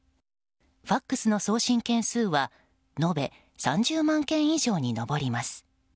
ＦＡＸの送信件数は延べ３０万件以上に上ります。